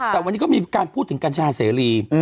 แต่วันนี้ก็มีการพูดถึงกัญชาเสรี